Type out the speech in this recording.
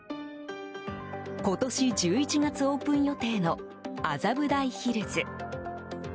今年１１月オープン予定の麻布台ヒルズ。